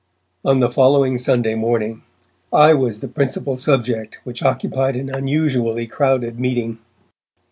On the following Sunday morning, I was the principal subject which occupied an unusually crowded meeting.